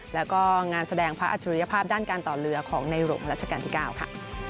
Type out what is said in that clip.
แล้วก็งานแสดงพระอัจฉริยภาพด้านการต่อเรือของในหลวงรัชกาลที่๙ค่ะ